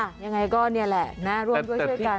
ยังไงก็นี่แหละนะร่วมด้วยช่วยกัน